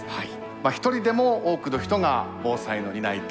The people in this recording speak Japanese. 一人でも多くの人が防災の担い手